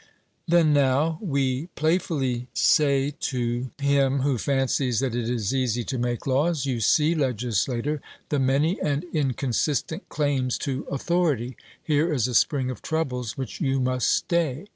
Then, now, we playfully say to him who fancies that it is easy to make laws: You see, legislator, the many and inconsistent claims to authority; here is a spring of troubles which you must stay.